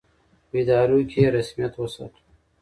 په ادارو کې یې رسمیت وساتو.